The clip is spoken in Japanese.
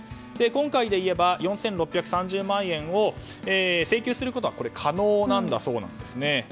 今回でいえば、４６３０万円を請求することは可能なんだそうです。